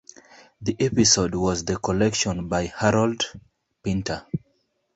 The episode was "The Collection" by Harold Pinter.